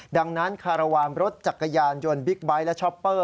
ดังนั้นคารวาลรถจักรยานยนต์บิ๊กไบท์และช้อปเปอร์